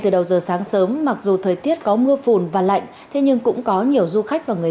từ đầu giờ sáng sớm mặc dù thời tiết có mưa phùn và lạnh thế nhưng cũng có nhiều du khách và người